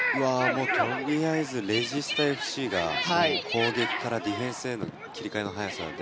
とりあえずレジスタＦＣが攻撃からディフェンスへの切り替えの速さ。